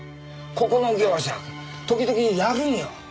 ここの業者時々やるのよ。